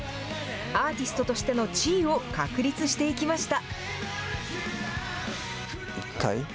アーティストとしての地位を確立していきました。